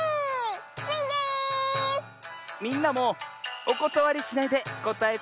みんなもおことわりしないでこたえてよ。